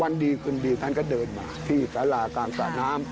วันดีคืนดีท่านก็เดินมาที่สารากลางสระน้ำ